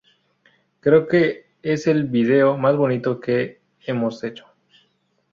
Creo que es el video más bonito que hemos hecho.